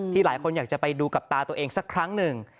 หลายคนอยากจะไปดูกับตาตัวเองสักครั้งหนึ่ง